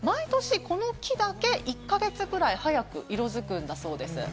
毎年、この木だけ１か月ぐらい早く色付くんだそうです。